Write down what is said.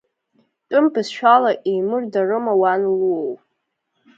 Тәым бызшәала еимырдарыма уан луоу?